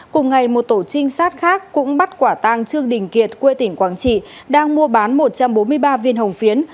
cùng ngày một tổ trinh sát khác cũng bắt quả tang trương đình kiệt quê tỉnh quảng trị đang mua bán một trăm bốn mươi ba viên hồng phiến